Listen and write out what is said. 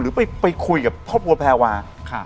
หรือไปคุยกับพบวงแพลวา